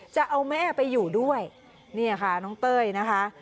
จะเอาแม่ไปอยู่ด้วยนี่ค่ะน้องเต้ยนะคะ